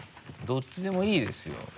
どっちでもいいですよ。